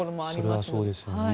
それはそうですよね。